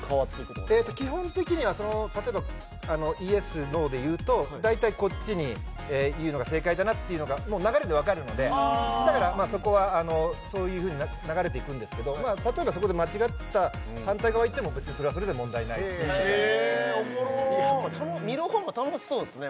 えーと基本的には例えばイエスノーで言うと大体こっちに言うのが正解だなっていうのがもう流れで分かるのでだからそこはそういうふうに流れていくんですけど例えばそこで間違った反対側行っても別にそれはそれで問題ないし・へえおもろ見る方も楽しそうですね